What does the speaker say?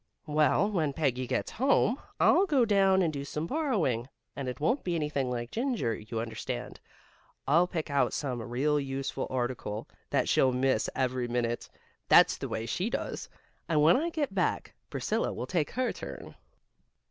"Well, when Peggy gets home, I'll go down and do some borrowing. And it won't be anything like ginger, you understand. I'll pick out some real useful article, that she'll miss every minute. That's the way she does. And when I get back, Priscilla will take her turn."